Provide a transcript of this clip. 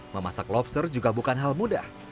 memasak lobster juga bukan hal mudah